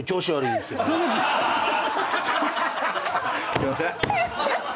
すいません。